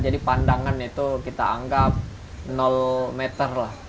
jadi pandangan itu kita anggap meter lah